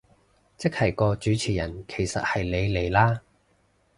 即係個主持人其實係你嚟啦